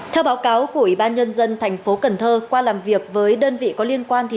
theo báo cáo của ủy ban nhân dân thành phố cần thơ qua làm việc với đơn vị có liên quan